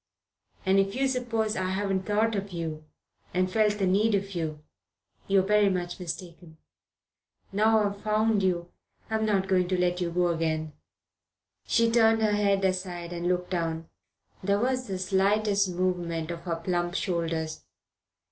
And if you suppose I haven't thought of you and felt the need of you, you're very much mistaken. Now I've found you, I'm not going to let you go again." She turned her head aside and looked down; there was the slightest movement of her plump shoulders.